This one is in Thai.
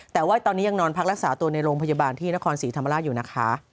แต่ว่าตอนนี้ยังนอนพักรักษาตัวในโรงพยาบาลที่นครศรีธรรมราชอยู่นะคะ